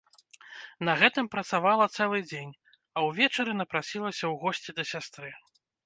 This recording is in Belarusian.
На гэтым працавала цэлы дзень, а ўвечары напрасілася ў госці да сястры.